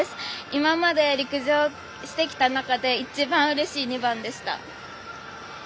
今まで陸上をしてきた中で一番うれしい２番でした。